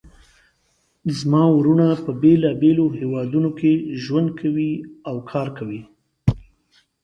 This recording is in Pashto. زما وروڼه په بیلابیلو هیوادونو کې ژوند کوي او کار کوي